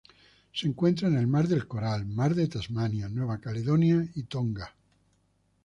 Se encuentra en el Mar del Coral, Mar de Tasmania, Nueva Caledonia y Tonga.